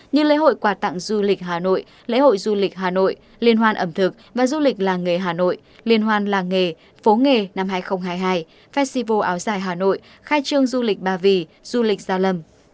như lễ hội quà tặng du lịch hà nội lễ hội du lịch hà nội liên hoan ẩm thực và du lịch làng nghề hà nội liên hoan làng nghề phố nghề năm hai nghìn hai mươi hai festival áo dài hà nội khai trương du lịch ba vì du lịch gia lâm